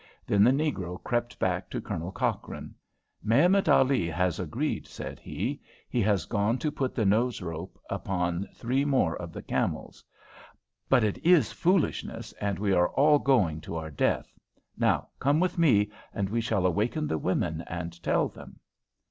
Then the negro crept back to Colonel Cochrane. "Mehemet Ali has agreed," said he. "He has gone to put the nose rope upon three more of the camels. But it is foolishness, and we are all going to our death. Now come with me, and we shall awaken the women and tell them."